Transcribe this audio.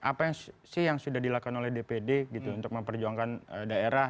apa sih yang sudah dilakukan oleh dpd gitu untuk memperjuangkan daerah